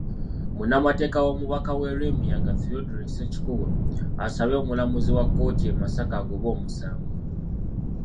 Munnamateeka w'omubaka we Lwemiyaga, Theodore Ssekikubo, asabye omulamuzi wa kkooti e Masaka agobe omusango.